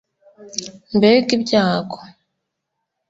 ’Mbega ibyago